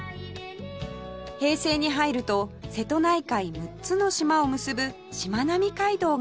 平成に入ると瀬戸内海６つの島を結ぶしまなみ海道が完成